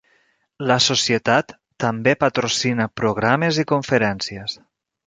La Societat també patrocina programes i conferències.